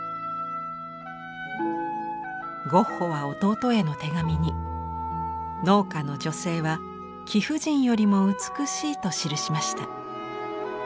ゴッホは弟への手紙に「農家の女性は貴婦人よりも美しい」と記しました。